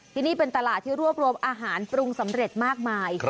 ที่นี่เป็นตลาดที่รวบรวมอาหารปรุงสำเร็จมากมาย